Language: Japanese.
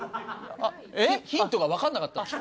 ヒントがわからなかったんです。